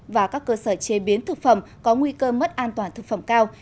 và các cơ sở chế biến thực phẩm có nguy cơ mất an toàn thực phẩm cao